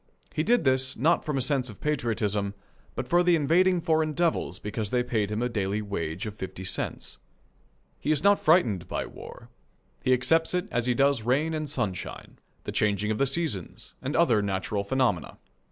He did this, not from a sense of patriotism, but for the invading foreign devils because they paid him a daily wage of fifty cents. He is not frightened by war. He accepts it as he does rain and sunshine, the changing of the seasons, and other natural phenomena.